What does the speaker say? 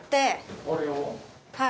はい。